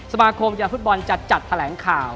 สมาคมยาฟุตบอลจัดแถลงข่าว